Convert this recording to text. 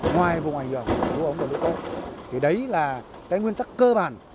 ngoài vùng ảnh hưởng của lũ ống và lũ quét thì đấy là nguyên tắc cơ bản